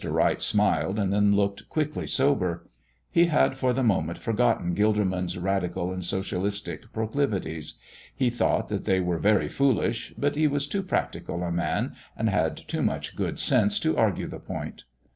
Wright smiled, and then looked quickly sober. He had for the moment forgotten Gilderman's radical and socialistic proclivities. He thought that they were very foolish, but he was too practical a man and had too much good sense to argue the point.